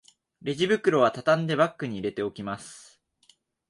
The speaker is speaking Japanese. レジ袋はたたんでバッグに入れておきます